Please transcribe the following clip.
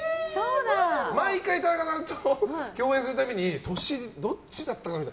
毎回田中さんと共演するたびに年、どっちだったかなって。